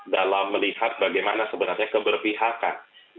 dalam melihat bagaimana sebenarnya keberpijakan masyarakat